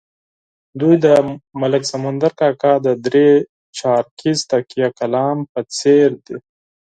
دوی د ملک سمندر کاکا د درې چارکیز تکیه کلام په څېر دي.